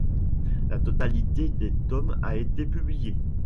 La totalité des tomes a été publiée.